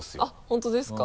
本当ですか？